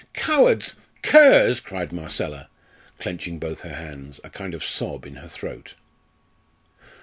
"Cowards curs!" cried Marcella, clenching both her hands, a kind of sob in her throat.